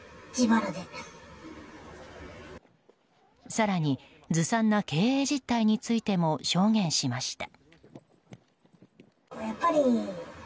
更にずさんな経営実態についても証言しました。